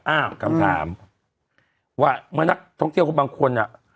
อ้าวคำถามว่าเมื่อนักท่องเที่ยวก็บางคนอ่ะ